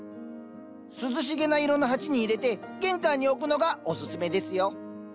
涼しげな色の鉢に入れて玄関に置くのがおすすめですよ。